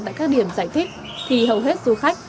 tại các điểm giải thích thì hầu hết du khách